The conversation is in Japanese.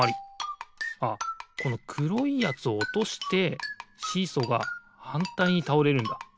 あっこのくろいやつをおとしてシーソーがはんたいにたおれるんだ。